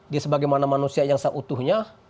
dia sebagaimana manusia yang seutuhnya